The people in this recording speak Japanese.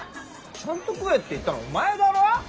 ちゃんと食えって言ったのお前だろ？